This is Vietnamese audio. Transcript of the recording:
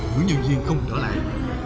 người nhân viên không trở lại